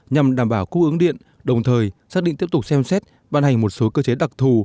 nhằm đảm bảo cung ứng điện đồng thời xác định tiếp tục xem xét ban hành một số cơ chế đặc thù